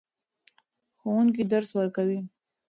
ښوونکي درس ورکوې.